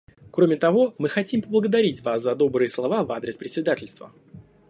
Кроме того, мы хотим поблагодарить Вас за добрые слова в адрес председательства.